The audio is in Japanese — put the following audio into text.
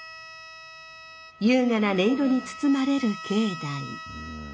優雅な音色に包まれる境内。